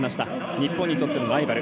日本にとってのライバル